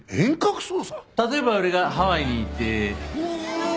例えば俺がハワイにいて。